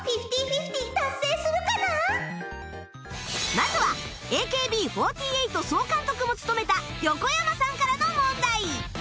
まずは ＡＫＢ４８ 総監督も務めた横山さんからの問題